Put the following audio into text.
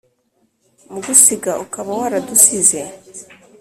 Mu gusiga ukaba waradusize